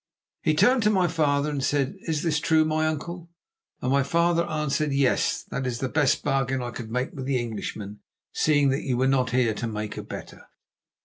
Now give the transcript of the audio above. "He turned to my father and said: 'Is this true, my uncle?' And my father answered: 'Yes, that is the best bargain I could make with the Englishman, seeing that you were not here to make a better.